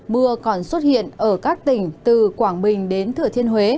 mưa còn xuất hiện ở các tỉnh từ quảng bình đến thừa thiên huế